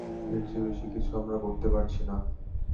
এর চেয়ে বেশি কিছু আমরা করতে পারছি না।